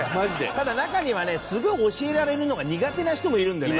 ただ中にはねすごい教えられるのが苦手な人もいるんだよね。